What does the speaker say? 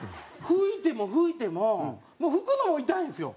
拭いても拭いてももう拭くのも痛いんですよ！